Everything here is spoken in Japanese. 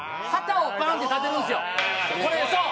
これそう。